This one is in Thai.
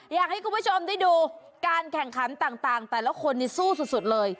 อยากให้คุณผู้ชมได้ดูการแข่งขันต่างแต่ละคนสู้สุดเลย